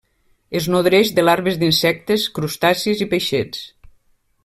Es nodreix de larves d'insectes, crustacis i peixets.